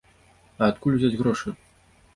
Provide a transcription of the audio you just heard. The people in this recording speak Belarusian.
А адкуль узяць грошы?